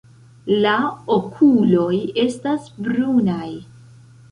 La okuloj estas brunaj.